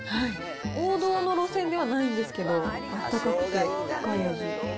王道の路線ではないんですけど、あったかくて深い味。